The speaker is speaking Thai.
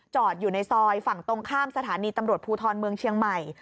อยู่ในซอยฝั่งตรงข้ามสถานีตำรวจภูทรเมืองเชียงใหม่